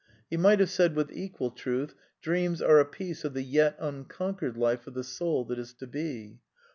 ^^ He might have said with equal truth : Dreams are a piece of the yet unconquered t^ life of the soul that is to be.